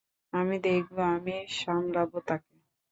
আমি দেখবো, আমি সামলাবো তাকে!